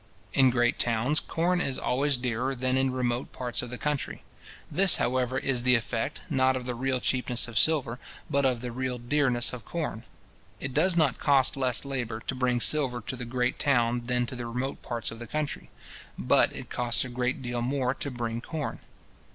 In great towns, corn is always dearer than in remote parts of the country. This, however, is the effect, not of the real cheapness of silver, but of the real dearness of corn. It does not cost less labour to bring silver to the great town than to the remote parts of the country; but it costs a great deal more to bring corn.